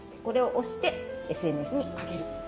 これを押してＳＮＳにあげる。